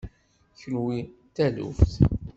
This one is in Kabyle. Kenwi d taluft.